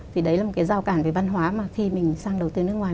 thì đấy là một cái giao cản về văn hóa mà khi mình sang đầu tư nước ngoài